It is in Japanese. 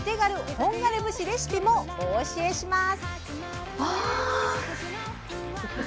本枯節レシピもお教えします！